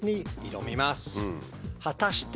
挑みます。